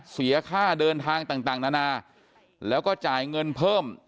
เสียค่าเดินทางต่างนานาแล้วก็จ่ายเงินเพิ่ม